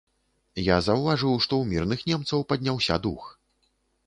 Я заўважыў, што ў мірных немцаў падняўся дух.